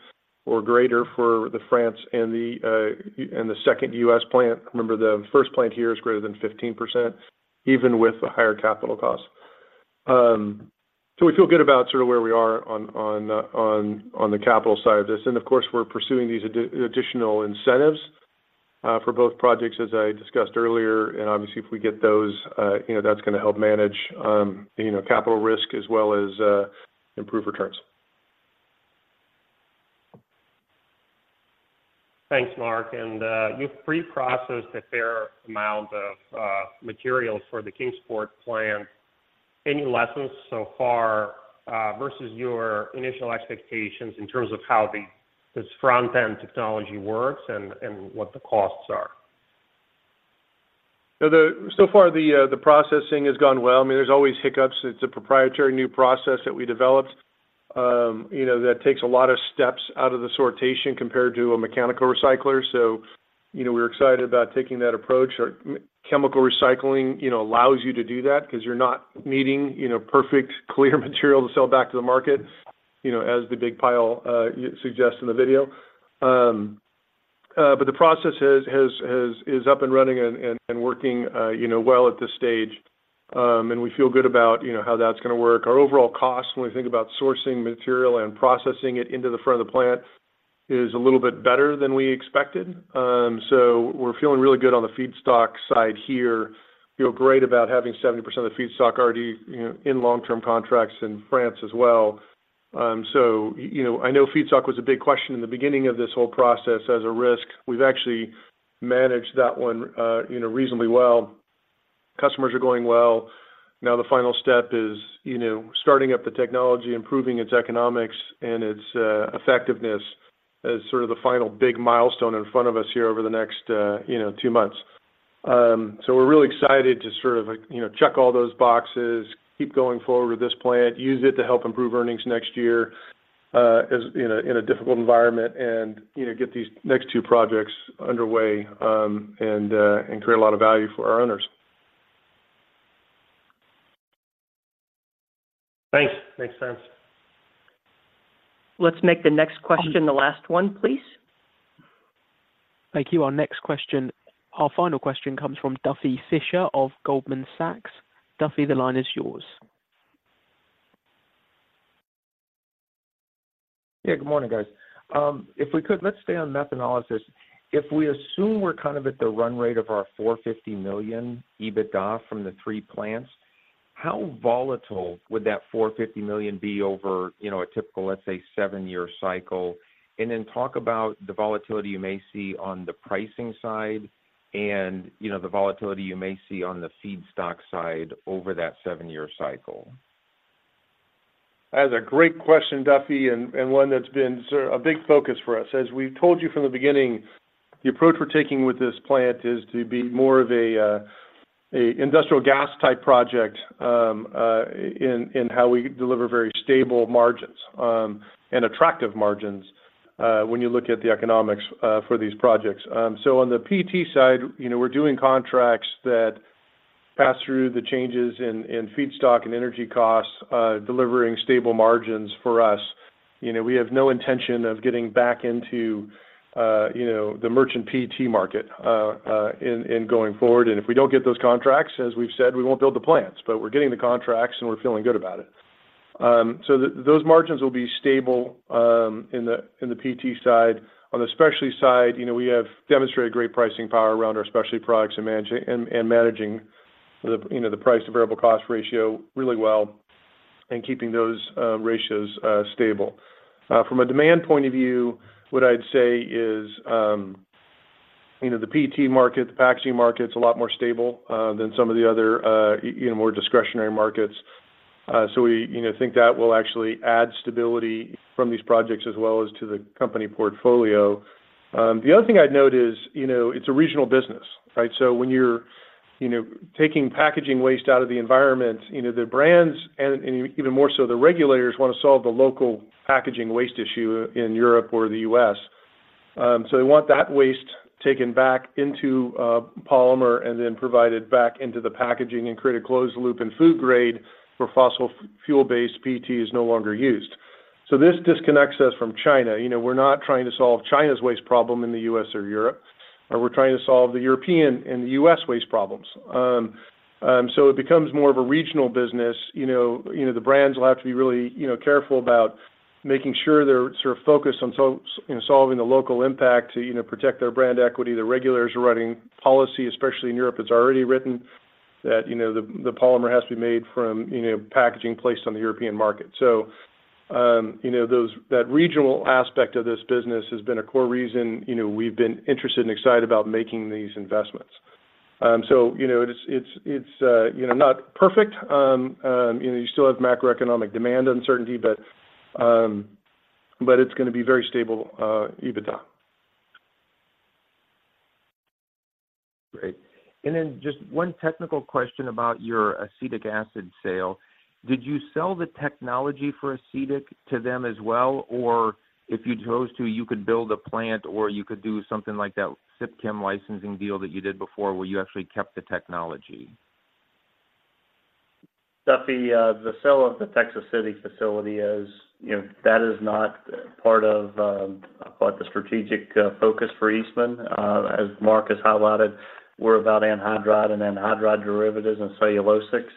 or greater for the France and the second U.S. plant. Remember, the first plant here is greater than 15%, even with the higher capital costs. So we feel good about sort of where we are on the capital side of this. And of course, we're pursuing these additional incentives for both projects, as I discussed earlier. Obviously, if we get those, you know, that's gonna help manage, you know, capital risk as well as improve returns. Thanks, Mark, and you've preprocessed a fair amount of materials for the Kingsport plant. Any lessons so far versus your initial expectations in terms of how this front-end technology works and what the costs are? So far, the processing has gone well. I mean, there's always hiccups. It's a proprietary new process that we developed, you know, that takes a lot of steps out of the sortation compared to a mechanical recycler. So, you know, we're excited about taking that approach. Our chemical recycling, you know, allows you to do that because you're not needing, you know, perfect, clear material to sell back to the market, you know, as the big pile suggests in the video. But the process is up and running and working, you know, well at this stage. We feel good about, you know, how that's gonna work. Our overall cost, when we think about sourcing material and processing it into the front of the plant, is a little bit better than we expected. So we're feeling really good on the feedstock side here. Feel great about having 70% of the feedstock already, you know, in long-term contracts in France as well. So, you know, I know feedstock was a big question in the beginning of this whole process as a risk. We've actually managed that one, you know, reasonably well. Customers are going well. Now, the final step is, you know, starting up the technology, improving its economics and its effectiveness as sort of the final big milestone in front of us here over the next, you know, two months. So we're really excited to sort of, like, you know, check all those boxes, keep going forward with this plant, use it to help improve earnings next year, as in a difficult environment and, you know, get these next two projects underway, and create a lot of value for our owners. Thanks. Makes sense. Let's make the next question the last one, please. Thank you. Our next question— Our final question comes from Duffy Fischer of Goldman Sachs. Duffy, the line is yours. Yeah, good morning, guys. If we could, let's stay on methanolysis. If we assume we're kind of at the run rate of our $450 million EBITDA from the three plants, how volatile would that $450 million be over, you know, a typical, let's say, seven-year cycle? And then talk about the volatility you may see on the pricing side and, you know, the volatility you may see on the feedstock side over that seven-year cycle. That is a great question, Duffy, and one that's been sort of a big focus for us. As we've told you from the beginning, the approach we're taking with this plant is to be more of a industrial gas-type project, in how we deliver very stable margins, and attractive margins, when you look at the economics, for these projects. So on the PET side, you know, we're doing contracts that pass through the changes in feedstock and energy costs, delivering stable margins for us. You know, we have no intention of getting back into, you know, the merchant PET market, in going forward. And if we don't get those contracts, as we've said, we won't build the plants. But we're getting the contracts, and we're feeling good about it. So those margins will be stable in the PET side. On the specialty side, you know, we have demonstrated great pricing power around our specialty products and managing the, you know, the price to variable cost ratio really well and keeping those ratios stable. From a demand point of view, what I'd say is, you know, the PET market, the packaging market, is a lot more stable than some of the other, you know, more discretionary markets. So we, you know, think that will actually add stability from these projects as well as to the company portfolio. The other thing I'd note is, you know, it's a regional business, right? So when you're, you know, taking packaging waste out of the environment, you know, the brands and, and even more so, the regulators want to solve the local packaging waste issue in Europe or the US. So they want that waste taken back into polymer and then provided back into the packaging and create a closed loop and food grade, where fossil fuel-based PET is no longer used. So this disconnects us from China. You know, we're not trying to solve China's waste problem in the U.S. or Europe, but we're trying to solve the European and the U.S. waste problems. So it becomes more of a regional business. You know, you know, the brands will have to be really, you know, careful about making sure they're sort of focused on solving the local impact to, you know, protect their brand equity. The regulators are writing policy, especially in Europe. It's already written that, you know, the polymer has to be made from, you know, packaging placed on the European market. So, you know, that regional aspect of this business has been a core reason, you know, we've been interested and excited about making these investments. You know, it's not perfect. You know, you still have macroeconomic demand uncertainty, but, but it's gonna be very stable EBITDA. Great. And then just one technical question about your acetic acid sale. Did you sell the technology for acetic to them as well? Or if you chose to, you could build a plant, or you could do something like that Sipchem licensing deal that you did before, where you actually kept the technology? Duffy, the sale of the Texas City facility is, you know, that is not part of, I call it, the strategic focus for Eastman. As Mark has highlighted, we're about anhydride and anhydride derivatives and cellulosics.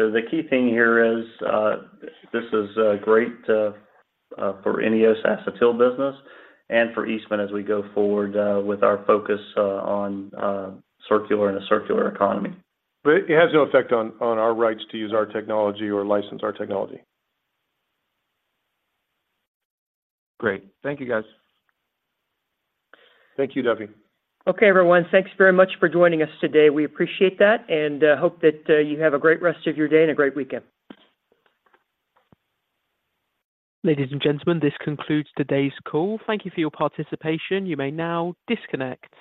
So the key thing here is, this is great for INEOS acetyl business and for Eastman as we go forward with our focus on circular and a circular economy. But it has no effect on our rights to use our technology or license our technology. Great. Thank you, guys. Thank you, Duffy. Okay, everyone. Thanks very much for joining us today. We appreciate that, and hope that you have a great rest of your day and a great weekend. Ladies and gentlemen, this concludes today's call. Thank you for your participation. You may now disconnect.